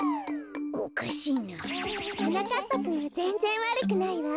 おかしいな。はなかっぱくんはぜんぜんわるくないわ。